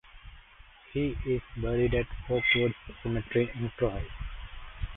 He is buried at Oakwood Cemetery in Troy.